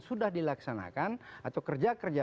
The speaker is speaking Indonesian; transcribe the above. sudah dilaksanakan atau kerja kerja